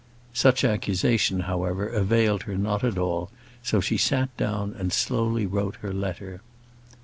Such accusation, however, availed her not at all, so she sat down and slowly wrote her letter.